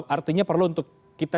artinya perlu untuk kita